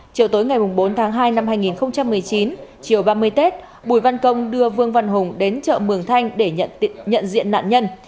chiều tối ngày bốn tháng hai năm hai nghìn một mươi chín chiều ba mươi tết bùi văn công đưa vương văn hùng đến chợ mường thanh để nhận diện nạn nhân